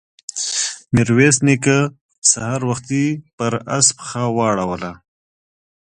ميرويس نيکه سهار وختي پر آس پښه واړوله.